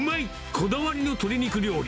こだわりの鶏肉料理。